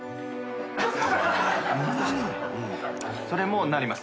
それもなります。